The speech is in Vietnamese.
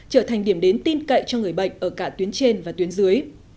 trở thành điểm đến tin cậy cho người bệnh ở cả tuyến trên và tuyến dưới